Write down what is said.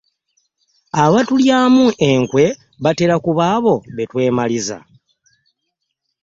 Abatulyamu enkwe batera kuba abo be twemaliza.